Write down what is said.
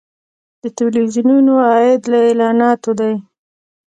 د تلویزیونونو عاید له اعلاناتو دی